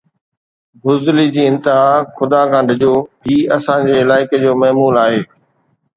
بزدلي جي انتها، خدا کان ڊڄو، هي اسان جي علائقي جو معمول آهي